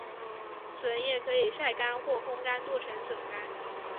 笋也可以晒干或烘干做成笋干。